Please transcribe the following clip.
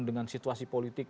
dengan situasi politik